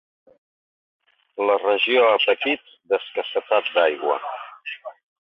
La regió ha patit d'escassetat d'aigua.